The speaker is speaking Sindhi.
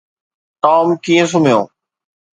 ٽام ڪيئن سمهيو؟